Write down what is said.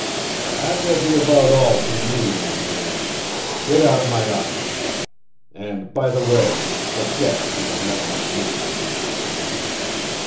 "That will be about all from you, young man. Get out of my office. And by the way, forget that you have met my niece."